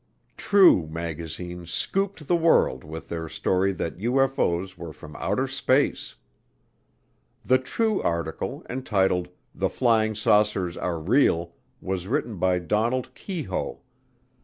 True magazine "scooped" the world with their story that UFO's were from outer space. The True article, entitled, "The Flying Saucers Are Real," was written by Donald Keyhoe.